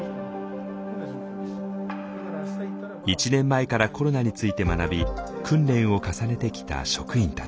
１年前からコロナについて学び訓練を重ねてきた職員たち。